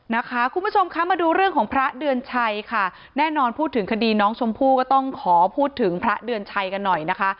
นะคะคุณผู้ชมคะมาดูเรื่องของพระเดือนชัยค่ะแน่นอนพูดถึงคดีน้องชมพู่ก็ต้องขอพูดถึงพระเดือนชัยกันหน่อยนะคะ